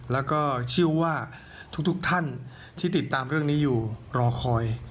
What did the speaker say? แล้วก็เชื่อว่าทุกท่านที่ติดตามเรื่องนี้อยู่รอคอย